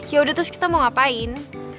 yaudah terus kita mau ngapain